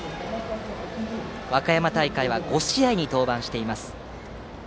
和歌山大会は５試合に登板しています。